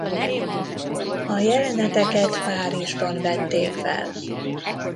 A jeleneteket Párizsban vették fel.